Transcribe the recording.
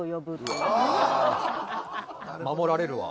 守られるわ。